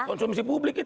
konsumsi publik itu